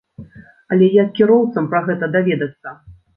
Але як кіроўцам пра гэта даведацца?